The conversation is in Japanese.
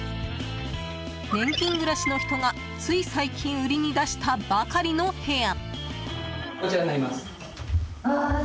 年金暮らしの人が、つい最近売りに出したばかりの部屋。